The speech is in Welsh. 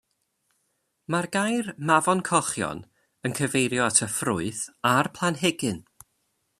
Mae'r gair mafon cochion yn cyfeirio at y ffrwyth a'r planhigyn.